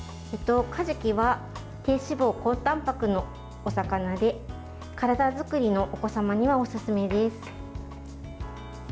かじきは低脂肪・高たんぱくのお魚で体づくりのお子様にはおすすめです。